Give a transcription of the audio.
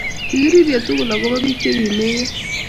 Kikiririe tugul akopo bik che kimeiyo